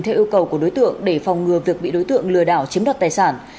theo yêu cầu của đối tượng để phòng ngừa việc bị đối tượng lừa đảo chiếm đoạt tài sản